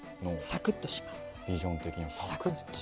サクッとします。